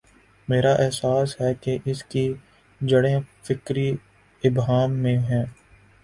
میرا احساس ہے کہ اس کی جڑیں فکری ابہام میں ہیں۔